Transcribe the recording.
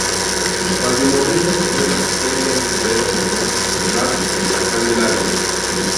Valdemorillo celebra su feria en febrero en honor a San Blas y la Candelaria.